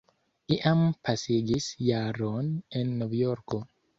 Iam pasigis jaron en Novjorko.